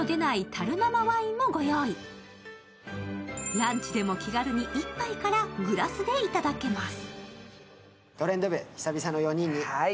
ランチでも気軽に１杯からグラスでいただけます。